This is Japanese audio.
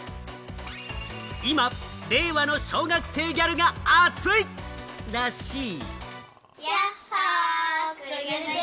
今、令和の小学生ギャルが熱いらしい。